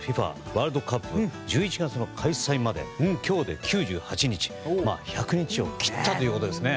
ワールドカップ１１月の開催まで今日で９８日、１００日を切ったということですね。